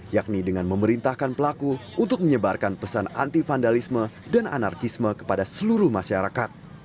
yakni dengan memerintahkan pelaku untuk menyebarkan pesan anti vandalisme dan anarkisme kepada seluruh masyarakat